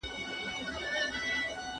مثبت فکر ځواک نه ځنډوي.